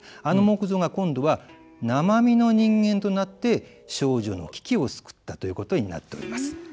あの木像が今度は生身の人間となって丞相の危機を救ったということになっております。